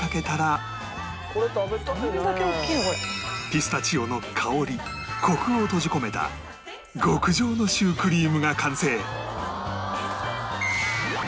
ピスタチオの香りコクを閉じ込めた極上のシュークリームが完成